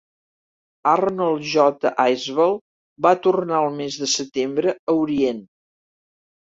"Arnold J. Isbell" va tornar el mes de setembre a Orient.